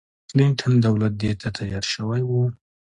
کلنټن دولت دې ته تیار شوی و.